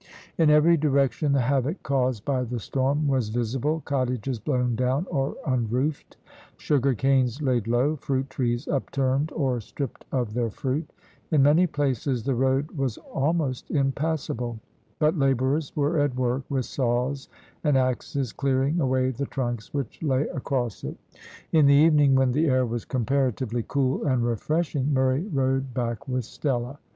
In every direction the havoc caused by the storm was visible; cottages blown down or unroofed, sugar canes laid low, fruit trees upturned or stripped of their fruit; in many places the road was almost impassable; but labourers were at work with saws and axes clearing away the trunks which lay across it. In the evening, when the air was comparatively cool and refreshing, Murray rode back with Stella.